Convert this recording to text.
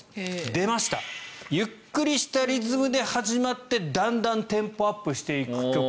出ましたゆっくりしたリズムで始まってだんだんテンポアップしていく曲